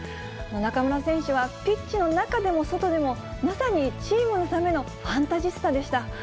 中村選手はピッチの中でも外でも、まさにチームのためのファンタジスタでした。